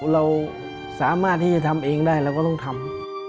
เราสามารถที่จะทำเองได้เราก็ต้องทำ